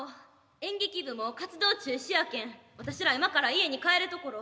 演劇部もう活動中止やけん私ら今から家に帰るところ。